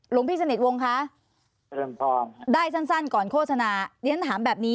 หลวงพี่สนิทวงค์คะได้สั้นก่อนโฆษณาเดี๋ยวท่านถามแบบนี้